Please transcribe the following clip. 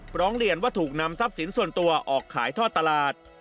ร้องเรียนว่าถูกนำทรัพย์สินส่วนตัวออกขายทอดตลาด